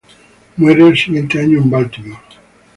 Muere el siguiente año en Baltimore.